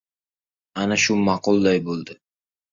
Ana shu ma’qulday bo‘ldi.